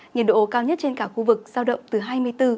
nhiệt độ cao nhất trên cả khu vực sao động từ hai mươi bốn